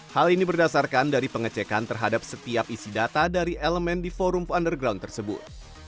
hal ini berdasarkan dari pengecekan terhadap setiap isi data dari elemen di forum underground tersebut